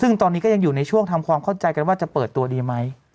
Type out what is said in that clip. ซึ่งตอนนี้ก็ยังอยู่ในช่วงทำความเข้าใจกันว่าจะเปิดตัวดีไหม